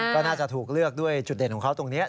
ผมอยากเล่นแต่ตอนแรกจะเห็นและเรียน